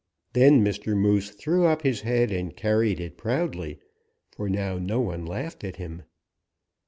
"Then Mr. Moose threw up his head and carried it proudly, for now no one laughed at him.